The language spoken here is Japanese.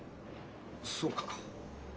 そうか。